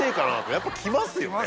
やっぱ来ますよね？